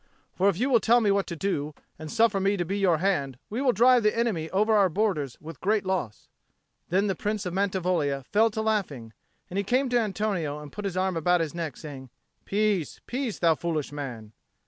For if you will tell me what to do, and suffer me to be your hand, we will drive the enemy over our borders with great loss." Then the Prince of Mantivoglia fell to laughing, and he came to Antonio and put his arm about his neck, saying, "Peace, peace, thou foolish man!"